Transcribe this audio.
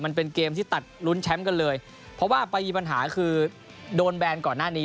มันเป็นเกมที่ตัดลุ้นแชมป์กันเลยเพราะว่าไปมีปัญหาคือโดนแบนก่อนหน้านี้